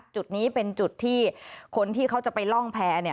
จุดนี้เป็นจุดที่คนที่เขาจะไปล่องแพร่